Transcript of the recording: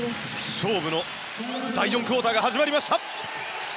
勝負の第４クオーターが始まりました。